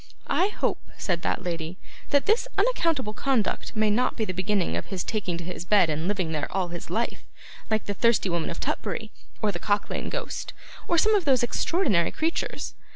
'I hope,' said that lady, 'that this unaccountable conduct may not be the beginning of his taking to his bed and living there all his life, like the Thirsty Woman of Tutbury, or the Cock lane Ghost, or some of those extraordinary creatures.